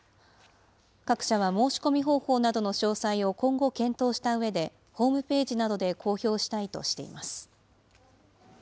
各社は申し込み方法などの詳細を今後、検討したうえで、ホームページなどで公表したいとしています。